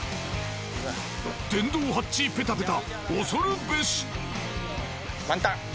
電動ハッチーペタペタ恐るべし。